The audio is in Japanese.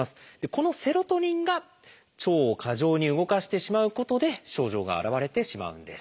このセロトニンが腸を過剰に動かしてしまうことで症状が現れてしまうんです。